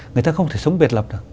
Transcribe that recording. người ta không thể sống biệt lập được